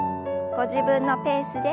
ご自分のペースで。